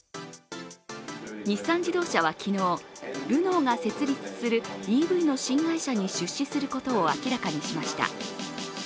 日産自動車は昨日、ルノーが設立するＥＶの新会社に出資することを明らかにしました。